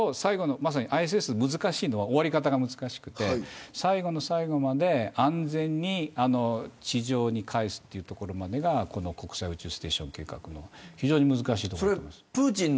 ＩＳＳ、難しいのは終わり方で最後の最後まで安全に地上に返すというところまでが国際宇宙ステーションの計画の非常に難しいところです。